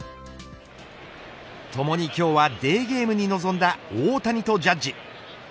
ともに今日はデーゲームに臨んだ大谷とジャッジ。